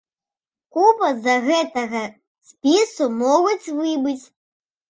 Куба з гэтага спісу могуць выбыць.